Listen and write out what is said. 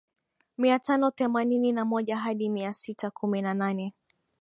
Mia tano themanini na moja hadi mia sita kumi na nane